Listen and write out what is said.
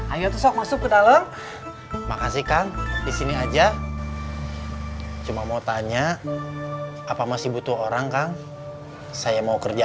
ayo tusok masuk ke dalam makasih kang di sini aja cuma mau tanya apa masih butuh orang kang saya mau kerja